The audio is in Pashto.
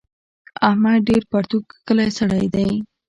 احمد ډېر پرتوګ کښلی سړی دی.